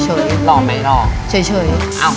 เฉย